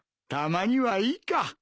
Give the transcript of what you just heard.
たまにはいいか。